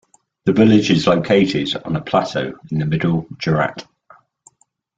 The village is located on a plateau in the middle Jorat.